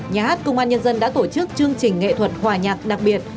nhà hát công an nhân dân đã tổ chức chương trình nghệ thuật hòa nhạc đặc biệt